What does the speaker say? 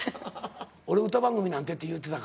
俺「歌番組なんて」って言うてたからな。